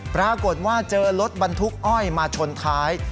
ปรากฏว่าเจอรถบรรทุกอ้อยมาชนท้าย